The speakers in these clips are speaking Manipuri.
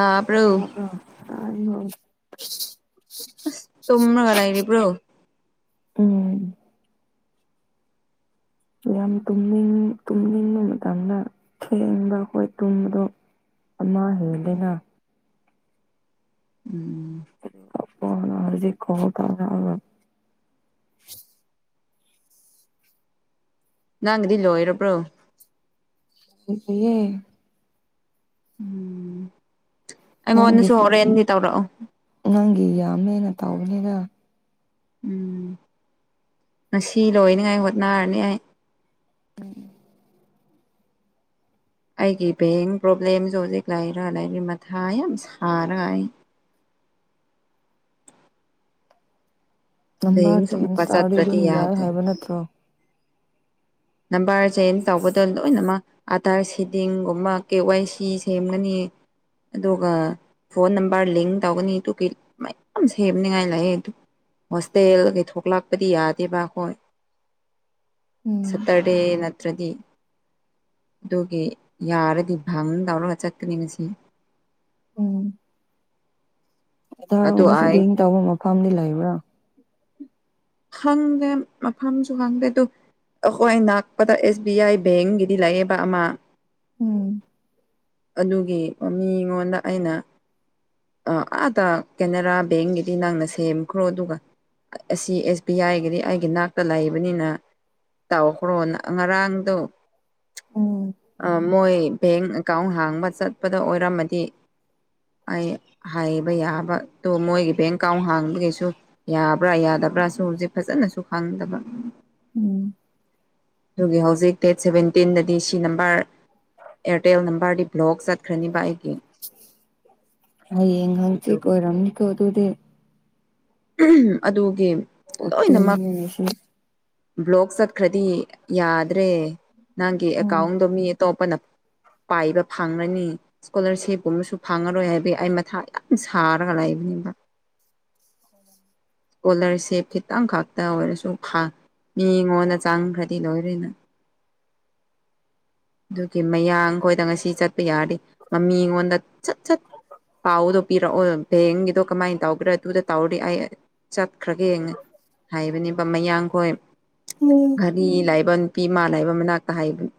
ꯇꯥꯕ꯭ꯔꯣ ꯑ ꯑ ꯑ ꯑꯁ ꯇꯨꯝ꯭ꯔꯒꯂ ꯂꯩꯔꯤꯕ꯭ꯔꯣ ꯎꯝ ꯌꯥꯝ ꯇꯅꯤꯡ ꯇꯨꯝꯅꯤꯡ ꯅꯨꯃꯤꯀꯗ ꯊꯦꯡꯕ ꯑꯩꯈꯣꯏ ꯇꯨꯝꯕꯗꯣ ꯑꯃ ꯍꯦꯜꯗꯅ ꯎꯝ ꯄ ꯀꯣ ꯊ ꯅꯪꯒꯤꯗꯤ ꯂꯣꯏꯔꯕ꯭ꯔꯣ ꯍ ꯀꯦ ꯎꯝ ꯅꯪꯒꯤ ꯑꯩꯉꯣꯟꯗꯁꯨ ꯍꯣꯔꯦꯟꯗꯤ ꯇꯧꯔꯛꯑꯣ ꯅꯪꯒꯤ ꯌꯥꯝꯃꯦꯅ ꯇꯧꯕꯅꯤꯗ ꯎꯝ ꯉꯁꯤ ꯂꯣꯏꯅꯤꯉꯥꯏ ꯍꯣꯠꯅꯔꯅꯤ ꯑꯩ ꯑꯩꯒꯤ ꯕꯦꯡ ꯄ꯭ꯔꯣꯕ꯭ꯂꯦꯝꯁꯨ ꯍꯧꯖꯤꯛ ꯂꯥꯏꯔ ꯂꯥꯏꯔꯤ ꯃꯊꯥ ꯌꯥꯝ ꯁꯥꯔ ꯑꯩ ꯅꯕꯥꯔ ꯕꯦꯡꯁꯨ ꯆꯦꯟꯖ ꯑꯃꯨꯛꯀ ꯇꯥꯔꯗꯤ ꯆꯠꯇ꯭ꯔꯗꯤ ꯑꯗꯨꯝ ꯌꯥꯏ ꯌꯥꯗꯦ ꯍꯥꯏꯕ ꯅꯠꯇ꯭ꯔꯣ ꯅꯕꯥꯔꯁꯦ ꯇꯧꯕꯗꯣ ꯂꯣꯏꯅꯃꯛ ꯑꯥꯗꯥꯔ ꯁꯤꯗꯤꯡꯒꯨꯝꯕ ꯀꯦ ꯋꯥꯏ ꯁꯤ ꯁꯦꯝꯒꯅꯤ ꯑꯗꯨꯒ ꯐꯣꯟ ꯅꯝꯕꯔ ꯂꯤꯡ ꯇꯧꯒꯅꯤ ꯑꯗꯨꯒꯤ ꯃꯌꯥꯝ ꯁꯦꯝꯅꯤꯉꯥꯏ ꯂꯥꯛꯑꯦ ꯑꯗꯨ ꯍꯣꯁꯇꯦꯜ ꯗꯒꯤ ꯊꯣꯛꯂꯛꯄꯗꯤ ꯌꯥꯗꯦꯕ ꯑꯩꯈꯣꯏ ꯎꯝ ꯁꯇꯔꯗꯦ ꯅꯠꯇ꯭ꯔꯗꯤ ꯑꯗꯨꯒꯤ ꯌꯥꯔꯗꯤ ꯚꯪ ꯇꯧꯔꯒ ꯆꯠꯀꯅꯤ ꯉ ꯁꯤ ꯎꯝ ꯑꯙ꯭ꯔꯥ ꯑꯗꯨ ꯉꯁꯤꯗꯤ ꯑꯩ ꯂꯤꯡ ꯇꯧꯕ ꯃꯐꯝꯗꯤ ꯂꯩꯕ꯭ꯔꯥ ꯍꯪꯗꯦ ꯃꯐꯝꯁꯨ ꯈꯪꯗꯦ ꯑꯗꯨ ꯑꯩꯈꯣꯏ ꯅꯛꯄꯗ ꯑꯦꯁ ꯕꯤ ꯑꯥꯏ ꯕꯦꯡꯒꯤꯗꯤ ꯂꯩꯌꯦꯕ ꯑꯃ ꯎꯝ ꯑꯗꯨꯒꯤ ꯃꯤꯉꯣꯟꯗ ꯑꯩꯅ ꯑꯥꯗ ꯀꯦꯅꯔꯥ ꯕꯦꯡꯒꯤꯗꯤ ꯅꯪꯅ ꯁꯦꯝꯈ꯭ꯔꯣ ꯑꯗꯨꯒ ꯑꯁꯤ ꯑꯦꯁ ꯕꯤ ꯑꯥꯏ ꯒꯤꯗꯤ ꯑꯩꯒꯤ ꯅꯥꯛꯇ ꯂꯩꯕꯅꯤꯅ ꯇꯧꯈ꯭ꯔꯣꯅ ꯉꯔꯥꯡꯗꯣ ꯎꯝ ꯑꯥ ꯃꯣꯏ ꯕꯦꯡ ꯑꯦꯀꯥꯎꯟ ꯍꯥꯡꯕ ꯆꯠꯄꯗ ꯑꯣꯏꯔꯝꯃꯗꯤ ꯑꯩ ꯍꯥꯏꯕ ꯌꯥꯕ ꯑꯗꯣ ꯃꯣꯏꯒꯤ ꯕꯦꯡ ꯑꯦꯀꯥꯎꯟ ꯍꯥꯡꯕꯒꯤꯁꯨ ꯌꯥꯕ꯭ꯔ ꯌꯥꯗꯕ꯭ꯔ ꯑꯩꯁꯦ ꯐꯖꯅꯁꯨ ꯈꯪꯗꯕ ꯎꯝ ꯑꯗꯨꯒꯤ ꯍꯧꯖꯤꯛ ꯗꯦꯠ ꯁꯚꯦꯟꯇꯤꯟꯗꯗꯤ ꯁꯤ ꯅꯝꯕꯔ ꯑꯦꯌꯥꯔꯇꯦꯜ ꯅꯝꯕꯔꯗꯤ ꯕ꯭ꯂꯣꯛ ꯆꯠꯈ꯭ꯔꯅꯤꯕ ꯑꯩꯒꯤ ꯍꯌꯦꯡ ꯍꯪꯁꯤꯠ ꯑꯣꯏꯔꯝꯅꯤ ꯀꯣ ꯑꯗꯨꯗꯤ ꯎꯝ ꯑꯗꯨꯒꯤ ꯂꯣꯏꯅꯃꯛ ꯐꯣꯔꯇꯤꯟꯅꯦ ꯉꯁꯤ ꯕ꯭ꯂꯣꯛ ꯆꯠꯈ꯭ꯔꯗꯤ ꯌꯥꯗ꯭ꯔꯦ ꯅꯪꯒꯤ ꯎꯝ ꯑꯦꯀꯥꯎꯟꯗꯣ ꯃꯤ ꯑꯇꯣꯞꯄꯅ ꯄꯥꯏꯕ ꯐꯪꯒꯅꯤ ꯏꯁꯀꯣꯂꯔꯁꯤꯞꯀꯨꯝꯕꯁꯨ ꯐꯪꯉꯔꯣꯏ ꯍꯥꯏꯕꯒꯤ ꯑꯩ ꯃꯊꯥ ꯌꯥꯝ ꯁꯥꯔꯒ ꯂꯩꯕꯅꯦꯕ ꯏꯁꯀꯣꯂꯔꯁꯤꯞ ꯈꯤꯇꯪ ꯈꯛꯇ ꯑꯣꯏꯔꯁꯨ ꯃꯤꯉꯣꯟꯗ ꯆꯪꯈ꯭ꯔꯗꯤ ꯂꯣꯏꯔꯦꯅ ꯑꯗꯨꯒꯤ ꯃꯌꯥꯡꯈꯣꯏꯗ ꯉꯁꯤ ꯆꯠꯄ ꯌꯥꯔꯗꯤ ꯃꯤꯉꯣꯟꯗ ꯁꯠ ꯆꯠ ꯄꯥꯎꯗꯣ ꯄꯤꯔꯛꯑꯣ ꯕꯦꯡꯒꯤꯗꯣ ꯀꯃꯥꯏꯅ ꯇꯧꯒ꯭ꯔꯥ ꯑꯗꯨꯗ ꯇꯧꯔꯤ ꯑꯩ ꯆꯠꯈ꯭ꯔꯒꯦ ꯍꯥꯏꯕꯅꯦꯕ ꯃꯌꯥꯡꯈꯣꯏ ꯘꯔꯤ ꯂꯩꯕ ꯅꯨꯄꯤ ꯏꯃꯥ ꯂꯩꯕ ꯃꯅꯥꯛꯇ ꯍꯥꯏꯕꯅꯤ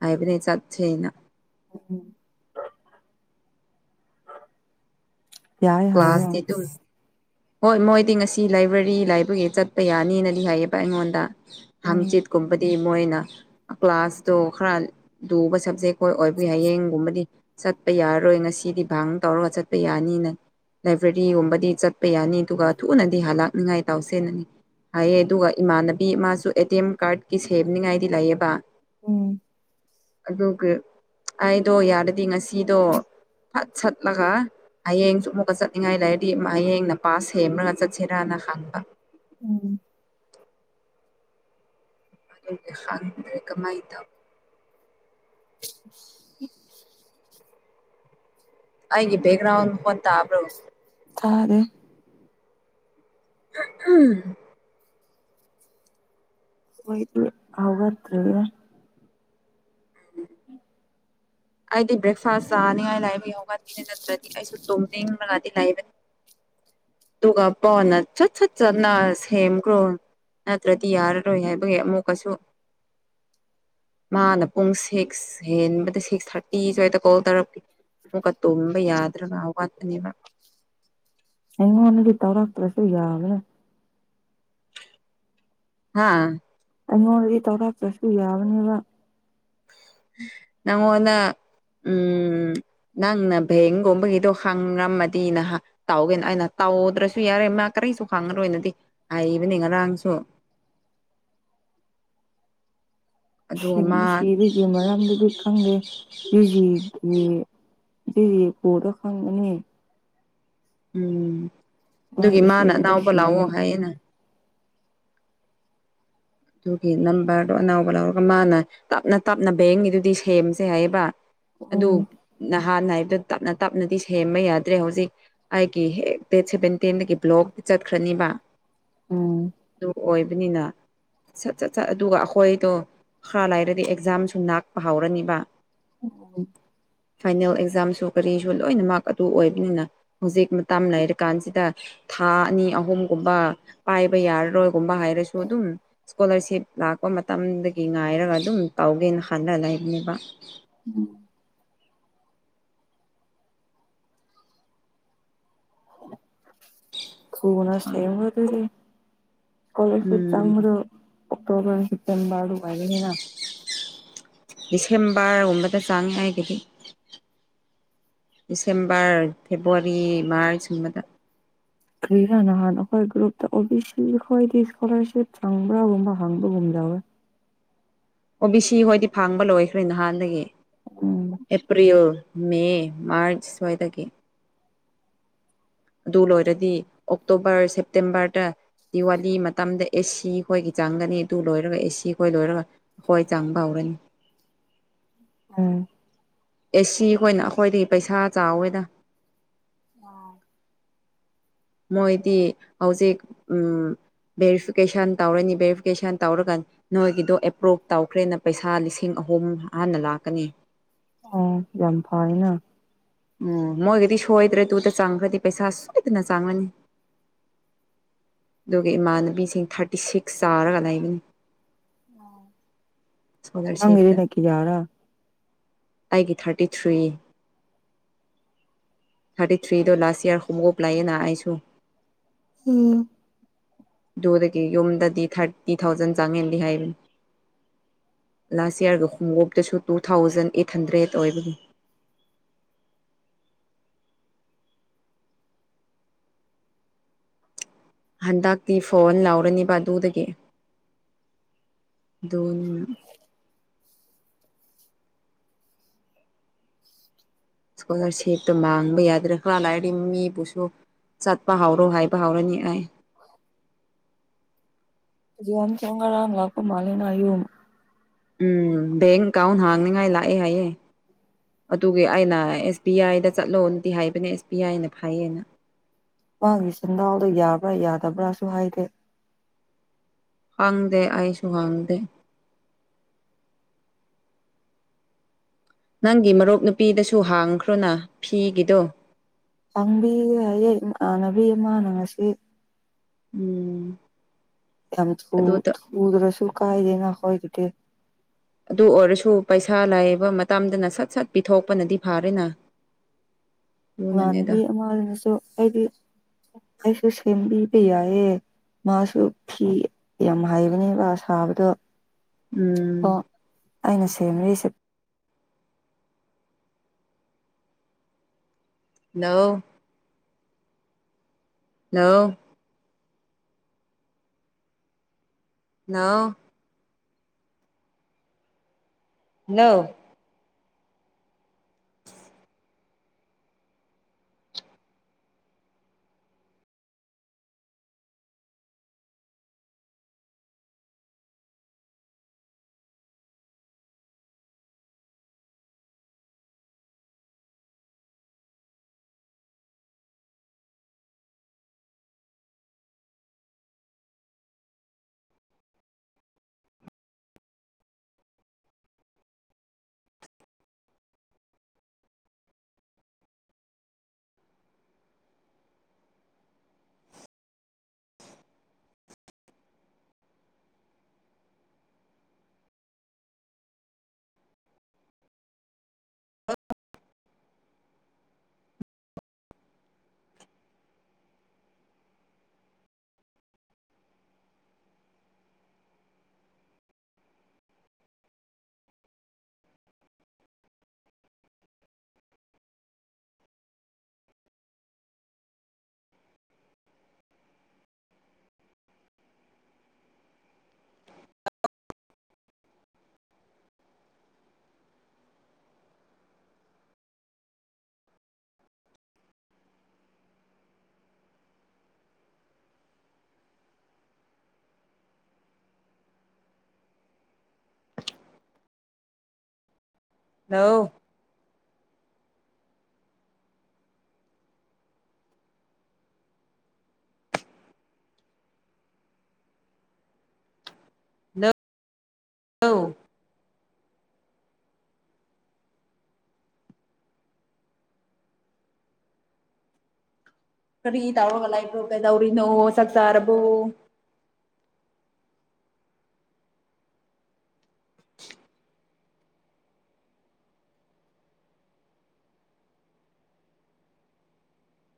ꯍꯥꯏꯕꯅꯦ ꯆꯠꯁꯦꯅ ꯎꯝ ꯌꯥꯏ ꯍꯥꯏꯕ꯭ꯔꯣ ꯀ꯭ꯂꯥꯁꯇꯤ ꯗꯨꯝ ꯍꯣꯏ ꯃꯣꯏꯗꯤ ꯉꯁꯤ ꯂꯥꯏꯕ꯭ꯔꯦꯔꯤ ꯂꯩꯕꯒꯤ ꯆꯠꯄ ꯌꯥꯅꯤꯅꯗꯤ ꯍꯥꯏꯌꯦꯕ ꯑꯩꯉꯣꯟꯗ ꯎꯝ ꯍꯥꯡꯆꯤꯠꯀꯨꯝꯕꯗꯤ ꯃꯣꯏꯅ ꯀ꯭ꯂꯥꯁꯇꯣ ꯈꯔ ꯂꯨꯕ ꯁꯕꯖꯦꯛ ꯑꯣꯏꯕꯅꯤꯅ ꯍꯌꯦꯡꯒꯨꯝꯕꯗꯤ ꯆꯠꯄ ꯌꯥꯔꯔꯣꯏ ꯉꯁꯤꯗꯤ ꯚꯥꯡ ꯇꯧꯔꯒ ꯆꯠꯄ ꯌꯥꯅꯤꯅ ꯂꯥꯏꯕ꯭ꯔꯦꯔꯤꯒꯨꯝꯕꯗꯤ ꯆꯠꯄ ꯌꯥꯅꯤ ꯑꯗꯨꯒ ꯊꯨꯅꯗꯤ ꯍꯜꯂꯛꯛꯅꯤꯉꯥꯏ ꯇꯧꯁꯦꯅꯅꯤ ꯍꯥꯏꯌꯦ ꯑꯗꯨꯒ ꯏꯃꯥꯟꯅꯕꯤ ꯃꯥꯁꯨ ꯑꯦ ꯇꯤ ꯑꯦꯝ ꯀꯥꯔꯗꯀꯤ ꯁꯦꯝꯕꯅꯤꯉꯥꯏꯗꯤ ꯂꯩꯑꯦꯕ ꯎꯝ ꯑꯗꯨꯒ ꯑꯩꯗꯣ ꯌꯥꯔꯗꯤ ꯉꯁꯤꯗꯣ ꯐꯠ ꯁꯠꯂꯒ ꯍꯌꯦꯡꯁꯨ ꯑꯃꯨꯛ ꯆꯠꯅꯤꯡꯉꯥꯏ ꯂꯩꯥꯔꯗꯤ ꯍꯌꯦꯡꯅ ꯄꯥꯁ ꯁꯦꯝꯃꯒ ꯆꯠꯁꯤꯔꯅ ꯍꯪꯕ ꯎꯝ ꯑꯗꯨꯒꯤ ꯈꯥꯡꯗ꯭ꯔꯦ ꯀꯃꯥꯏꯅ ꯇꯧ ꯑꯩꯒꯤ ꯕꯦꯛꯒ꯭ꯔꯥꯎꯟꯗ ꯑꯣꯠ ꯇꯥꯕ꯭ꯔꯣ ꯇꯥꯔꯦ ꯎꯝ ꯎꯝ ꯍꯣꯏ ꯍꯧꯒꯇ꯭ꯔꯤ ꯎꯝ ꯑꯩꯗꯤ ꯕ꯭ꯔꯦꯛꯐꯥꯁ ꯆꯥꯅꯤꯡꯉꯥꯏ ꯂꯩꯕꯒꯤꯍꯧꯒꯠꯄꯅꯤ ꯅꯠꯇ꯭ꯔꯗꯤ ꯑꯩꯁꯨ ꯇꯨꯝꯅꯤꯡꯕꯅꯗꯤ ꯂꯩꯔꯦ ꯑꯗꯨꯒ ꯀꯣꯟꯅ ꯁꯠ ꯁꯠ ꯆꯠꯅꯔꯁꯤꯒꯨꯝ ꯅꯠꯇ꯭ꯔꯗꯤ ꯌꯥꯔꯔꯣꯏ ꯍꯥꯏꯕꯒꯤ ꯑꯃꯨꯛꯀꯁꯨ ꯃꯥꯅ ꯄꯨꯡ ꯁꯤꯛꯁ ꯍꯦꯟꯕꯗ ꯁꯤꯛꯁ ꯊꯥꯔꯇꯤ ꯁ꯭ꯋꯥꯏꯗ ꯀꯣꯜ ꯇꯧꯔꯛꯀꯦ ꯑꯃꯨꯛꯀ ꯇꯨꯝꯕ ꯌꯥꯗ꯭ꯔꯒ ꯋꯥꯠꯄꯅꯦꯕ ꯏ ꯑꯣꯟꯅꯇꯔꯥꯛꯇꯔꯁꯨ ꯌꯥꯕꯅ ꯍꯥꯥ ꯑꯩꯉꯣꯟꯗꯗꯤ ꯆꯥꯎꯧꯔꯥꯛꯇ꯭ꯔꯁꯨ ꯌꯥꯕꯅꯦꯕ ꯅꯪꯉꯣꯟꯅ ꯎꯝ ꯅꯪꯅ ꯚꯦꯡꯒꯨꯝꯕꯒꯤꯗꯣ ꯍꯪꯔꯝꯃꯗꯤ ꯅꯍ ꯇꯥꯎꯒꯦꯅ ꯑꯩꯅ ꯇꯥꯎꯗ꯭ꯔꯁꯨ ꯌꯥꯔꯦ ꯃꯥ ꯀꯔꯤꯁꯨ ꯈꯥꯡꯉꯔꯣꯏꯅꯣꯗꯤ ꯍꯥꯏꯔꯤꯕꯅꯤ ꯉꯔꯥꯡꯁꯨ ꯑꯗꯨꯒ ꯁꯤꯡꯕ ꯃꯥ ꯁꯤꯕꯒꯤ ꯃꯔꯝꯗꯗꯤ ꯈꯪꯗꯦ ꯦꯖꯤꯒꯤ ꯦꯖꯤ ꯀꯣꯗ ꯈꯪꯒꯅꯤ ꯎꯝ ꯑꯗꯨꯒꯤ ꯃꯥꯒꯤ ꯃꯥꯅ ꯁꯦꯝꯗꯣ ꯑꯅꯥꯎꯕ ꯂꯥꯛꯑꯣ ꯁꯤꯕꯅꯤ ꯍꯥꯏꯌꯦꯅ ꯑꯗꯨꯒꯤ ꯅꯝꯕꯔꯗꯣ ꯑꯅꯕ ꯂꯧꯔꯒ ꯃꯥꯅ ꯇꯞꯅ ꯇꯞꯅ ꯕꯦꯡꯒꯤꯗꯨꯗꯤ ꯁꯦꯝꯁꯦ ꯍꯥꯏꯌꯦꯕ ꯑꯗꯨ ꯎꯝ ꯅꯍꯥꯟ ꯍꯥꯏꯕꯗ ꯇꯞꯅ ꯇꯞꯅꯗꯤ ꯁꯦꯝꯕ ꯌꯥꯗ꯭ꯔꯦ ꯍꯧꯖꯤꯛ ꯑꯩꯒꯤ ꯗꯦꯠ ꯁꯦꯕꯦꯟꯇꯦꯟꯗꯒꯤ ꯕ꯭ꯂꯣꯛ ꯆꯠꯈ꯭ꯔꯅꯤꯕ ꯎꯝ ꯑꯗꯨ ꯑꯣꯏꯕꯅꯤꯅ ꯁꯠ ꯆꯠ ꯁꯠ ꯑꯗꯨꯒ ꯑꯩꯈꯣꯏꯗꯣ ꯈꯔ ꯂꯥꯏꯔꯗꯤ ꯑꯦꯛꯖꯥꯝꯁꯨ ꯉꯥꯛꯄ ꯍꯧꯔꯅꯤꯕ ꯎꯝ ꯐꯥꯏꯅꯦꯜ ꯑꯦꯛꯖꯥꯝꯁꯨ ꯀꯔꯤꯁꯨ ꯂꯣꯏꯅ ꯃꯥꯔꯛ ꯑꯗꯨ ꯑꯣꯏꯕꯅꯤꯅ ꯍꯧꯖꯤꯛ ꯃꯇꯝ ꯂꯩꯔ ꯀꯥꯟꯁꯤꯗ ꯊꯥ ꯑꯅꯤ ꯑꯍꯨꯝꯒꯨꯝꯕ ꯄꯥꯏꯕ ꯌꯥꯔꯔꯣꯏꯒꯨꯝꯕ ꯍꯥꯏꯔꯁꯨ ꯑꯗꯨꯝ ꯏꯁꯀꯣꯂꯥꯔꯁꯤꯞ ꯂꯥꯛꯄ ꯃꯇꯝꯗꯒꯤ ꯉꯥꯏꯔꯒ ꯑꯗꯨꯝ ꯇꯧꯒꯦꯅ ꯈꯟꯅ ꯂꯩꯕꯅꯦꯕ꯫ ꯎꯝ ꯊꯨꯅꯁ ꯊꯕ ꯑꯗꯨꯗꯤ ꯏꯁꯀꯣꯂꯔꯁꯤꯞ ꯎꯝ ꯆꯥꯡꯕ꯭ꯔꯣ ꯑꯣꯛꯇꯣꯕꯔ ꯁꯦꯞꯇꯦꯝꯔ ꯑꯗꯨ ꯑꯣꯏꯒꯅꯤꯅ ꯗꯤꯁꯦꯝꯕꯔꯒꯨꯝꯕꯗ ꯆꯪꯉꯦ ꯑꯩꯒꯤꯗꯤ꯫ ꯗꯤꯁꯦꯝꯕꯔ ꯐꯦꯕꯨꯋꯥꯔꯤ ꯃꯥꯔꯆꯒꯤ ꯃꯇꯝ ꯀꯔꯤꯔ ꯍꯥꯟꯅ ꯍꯥꯟꯅ ꯑꯩꯈꯣꯏ ꯒ꯭ꯔꯨꯞꯇ ꯑꯣ ꯕꯤ ꯁꯤ ꯑꯩꯈꯣꯏꯗꯤ ꯏꯁꯀꯣꯂꯥꯔꯁꯤꯞ ꯆꯪꯕ꯭ꯔꯥꯒꯨꯝꯕ ꯍꯥꯡꯕꯒꯨꯝ ꯌꯥꯎꯋꯦ꯫ ꯑꯣ ꯕꯤ ꯁꯤ ꯍꯣꯏꯗꯤ ꯐꯥꯡꯕ ꯂꯣꯏꯈ꯭ꯔꯦ ꯅꯍꯥꯟꯗꯒꯤ ꯎꯝ ꯑꯦꯄ꯭ꯔꯤꯜ ꯃꯦ ꯃꯥꯔꯆ ꯁꯋꯥꯢ ꯗꯒꯤ꯫ ꯑꯗꯨ ꯂꯣꯏꯔꯗꯤ ꯑꯣꯛꯇꯣꯕꯔ ꯁꯦꯞꯇꯦꯝꯕꯔꯗ ꯗꯤꯋꯥꯂꯤ ꯃꯇꯝꯗ ꯑꯦꯁꯤ ꯍꯣꯏꯒꯤ ꯆꯥꯡꯒꯅꯤ ꯑꯗꯨ ꯂꯣꯏꯔꯒ ꯑꯦꯁꯤ ꯈꯣꯏ ꯂꯣꯏꯔꯒ ꯍꯣꯏ ꯆꯪꯕꯍꯧꯔꯅꯤ꯫ ꯎꯝ꯫ ꯑꯦꯁꯤ ꯈꯣꯏꯅ ꯑꯩꯈꯣꯏꯗꯒꯤ ꯄꯩꯁꯥ ꯆꯥꯎꯋꯦꯗ꯫ ꯑꯥ꯫ ꯃꯣꯏꯗꯤ ꯍꯧꯖꯤꯛ ꯚꯦꯔꯤꯐꯤꯀꯦꯁꯟ ꯇꯧꯔꯅꯤ ꯚꯦꯔꯤꯐꯤꯀꯦꯁꯟ ꯇꯧꯔꯀꯥꯟ ꯅꯣꯏꯒꯤꯗꯣ ꯑꯦꯄ꯭ꯔꯣꯚ ꯇꯧꯈ꯭ꯔꯦꯅ ꯄꯩꯁꯥ ꯂꯤꯁꯤꯡ ꯑꯍꯨꯝ ꯍꯥꯟꯅ ꯂꯥꯛꯀꯅꯤ꯫ ꯎꯝ ꯌꯥꯝ ꯐꯩꯅ꯫ ꯎꯝ ꯃꯣꯏꯒꯗꯤ ꯁꯣꯏꯗ꯭ꯔꯦ ꯇꯨꯗ ꯆꯪꯈ꯭ꯔꯗꯤ ꯄꯩꯁꯥ ꯁꯣꯏꯗꯅ ꯆꯪꯉꯅꯤ꯫ ꯑꯗꯨꯒꯤ ꯏꯃꯥꯟꯅꯕꯤꯁꯤꯡ ꯊꯥꯔꯇꯤ ꯁꯤꯛꯁ ꯆꯥꯔꯒ ꯂꯩꯒꯅꯤ ꯑꯥ꯫ ꯏꯁꯀꯣꯂꯥꯔꯁꯤꯞꯇ ꯑꯩꯒꯤ ꯊꯥꯔꯇꯤ ꯊ꯭ꯔꯤ ꯊꯥꯔꯇꯤ ꯊ꯭ꯔꯤꯗ ꯂꯥꯁ ꯏꯌꯔ ꯈꯨꯡꯉꯨꯞ ꯂꯥꯏꯌꯦꯅ ꯑꯩꯁꯨ꯫ ꯎꯝ꯫ ꯑꯗꯨꯗꯒꯤ ꯌꯨꯝꯗꯗꯤ ꯊꯥꯔꯇꯤ ꯊꯥꯎꯖꯟ ꯆꯪꯉꯦꯗꯤ ꯍꯥꯏꯕꯅꯤ꯫ ꯂꯥꯁ ꯌꯔꯒ ꯈꯣꯡꯎꯞꯇꯁꯨ ꯇꯨ ꯊꯥꯎꯖꯟ ꯑꯦꯠ ꯍꯟꯗ꯭ꯔꯦꯠ ꯑꯣꯏꯕꯒꯤ ꯍꯟꯗꯛꯇꯤ ꯐꯣꯟ ꯂꯧꯔꯅꯤꯕ ꯑꯗꯨꯗꯒꯤ ꯑꯗꯨꯅ ꯏꯁꯀꯣꯂꯥꯔꯁꯤꯞꯇꯣ ꯃꯥꯡꯕ ꯌꯥꯗ꯭ꯔꯦ ꯈ꯭ꯔꯥ ꯂꯥꯏꯗꯤ ꯃꯤꯕꯨꯁꯨ ꯆꯠꯄ ꯍꯧꯔꯣ ꯍꯥꯏꯕ ꯍꯧꯔꯅꯤ ꯑꯩ꯫ ꯉꯔꯥꯡ ꯂꯥꯛꯄ ꯃꯥꯂꯤꯅ ꯌꯨ꯫ ꯎꯝ ꯕꯦꯡ ꯑꯦꯀꯥꯎꯟ ꯍꯥꯡꯅꯤꯉꯥꯏ ꯂꯥꯛꯑꯦ ꯍꯥꯏꯌꯦ ꯑꯗꯨꯒꯤ ꯑꯩꯅ ꯑꯦꯁ ꯕꯤ ꯑꯥꯏꯗ ꯆꯠꯂꯣꯅꯗꯤ ꯍꯥꯏꯕꯅꯦ ꯑꯦꯁ ꯕꯤ ꯑꯥꯏꯅ ꯐꯩꯌꯦꯅ꯫ ꯃꯥꯒꯤ ꯁꯦꯟꯗꯥꯎꯗꯣ ꯌꯥꯕ꯭ꯔꯥ ꯌꯥꯗꯕ꯭ꯔꯥꯁꯨ ꯍꯥꯏꯗꯦ꯫ ꯈꯪꯗꯦ ꯑꯩꯁꯨ ꯈꯪꯗꯦ꯫ ꯅꯪꯒꯤ ꯃꯔꯨꯞ ꯅꯨꯄꯤꯗꯁꯨ ꯍꯥꯡꯈ꯭ꯔꯣꯅ ꯐꯤꯒꯤꯗꯣ꯫ ꯄꯥꯡꯕꯤꯕ ꯌꯥꯌꯦ ꯏꯃꯥꯟꯅꯕꯤ ꯑꯃꯅ ꯉꯁꯤ ꯎꯝ꯫ ꯌꯥꯝ ꯑꯗꯨꯗ ꯊꯨꯗ꯭ꯔꯁꯨ ꯀꯥꯏꯗꯦꯅ ꯈꯣꯏꯒꯤꯗꯤ꯫ ꯑꯗꯨ ꯑꯣꯏꯔꯁꯨ ꯄꯩꯁꯥ ꯂꯥꯏꯕ ꯃꯇꯝꯗꯅ ꯁꯠ-ꯁꯠ ꯄꯤꯊꯣꯛꯄꯅꯗꯤ ꯐꯥꯔꯦꯅ꯫ ꯑꯗꯨꯅꯅꯦꯗ ꯏꯃꯥꯟꯅꯕꯤ ꯑꯃꯅꯁꯨ ꯑꯩꯗꯤ ꯑꯩꯁꯨ ꯁꯦꯝꯕꯤꯕ ꯌꯥꯏꯌꯦ꯫ ꯃꯥꯁꯨ ꯐꯤ ꯌꯥꯝ ꯍꯩꯕꯅꯦꯕ ꯁꯥꯕꯗꯣ꯫ ꯎꯝ ꯑꯣ ꯑꯩꯅ ꯁꯦꯝꯔꯤꯁꯦ ꯅꯣ꯫ ꯍꯜꯂꯣ꯫ ꯂꯥꯛꯑꯣ꯫ ꯍꯂꫭ ꯍꯜꯂꫭ [unintelligible] ꯀꯔꯤ ꯇꯧꯔꯒ ꯂꯩꯕ꯭ꯔꯣ ꯀꯩꯗꯧꯔꯤꯅꯣ ꯆꯥꯛ ꯆꯥꯔꯕꯣ